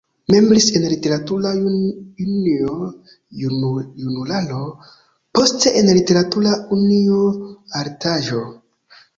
Membris en Literatura Unio "Junularo", poste en Literatura unio "Altaĵo".